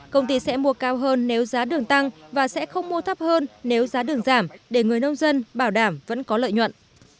công ty sẽ mua cao hơn nếu giá đường tăng và sẽ không mua thấp hơn nếu giá đường giảm để người nông dân bảo đảm vẫn có lợi nhuận